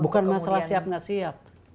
bukan masalah siap nggak siap